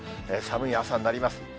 寒い朝になります。